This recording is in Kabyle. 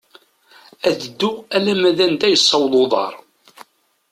Ad dduɣ alma d anda yessaweḍ uḍar.